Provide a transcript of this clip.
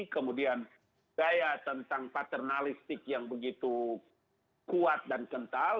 kemudian gaya tentang paternalistik yang begitu kuat dan kental